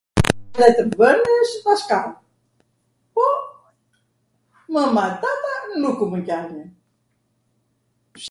[doja] tw bwnesh dhaskall, po... mwma twma nuk u pwlqenej.